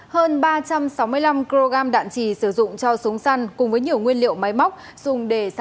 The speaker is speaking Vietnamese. hơn ba trăm sáu mươi năm kg đạn chỉ sử dụng cho súng săn cùng với nhiều nguyên liệu máy móc dùng để sử dụng súng săn